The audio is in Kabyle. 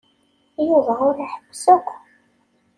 Yuba ur iḥebbes akk.